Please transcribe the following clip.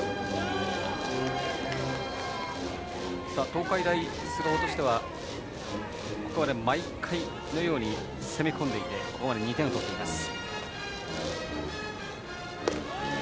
東海大菅生としてはここまで毎回のように攻め込んでいてここまで２点を取っています。